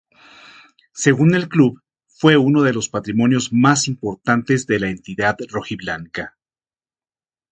Según el club, fue uno de los patrimonios más importantes de la entidad rojiblanca.